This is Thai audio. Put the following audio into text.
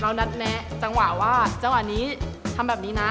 เรานัดแนะจำวะว่าจำวรณีทำแบบนี้นะ